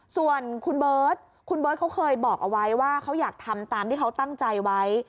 ส่วนคุณเบิร์ตคุณเบิร์ตเขาเคยบอกเอาไว้ว่าเขาอยากทำตามที่เขาตั้งใจไว้